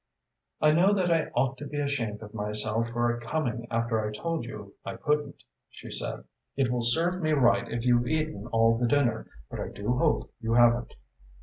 "I know that I ought to be ashamed of myself for coming after I had told you I couldn't," she said. "It will serve me right if you've eaten all the dinner, but I do hope you haven't."